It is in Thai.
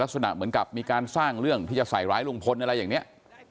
ลักษณะเหมือนกับมีการสร้างเรื่องที่จะใส่ร้ายลุงพลอะไรอย่างนี้